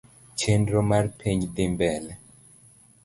Chenro mar penj dhi mbele